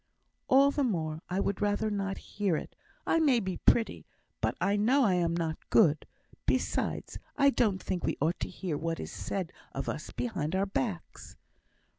"All the more I would rather not hear it. I may be pretty, but I know I am not good. Besides, I don't think we ought to hear what is said of us behind our backs."